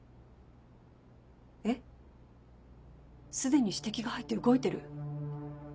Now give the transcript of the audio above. えっ既に指摘が入って動いてる？